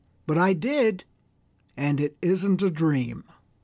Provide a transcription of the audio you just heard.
But I did, and it isn't a dream!"